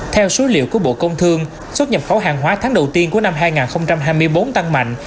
theo số liệu của bộ công thương xuất nhập khẩu hàng hóa tháng đầu tiên của năm hai nghìn hai mươi bốn tăng mạnh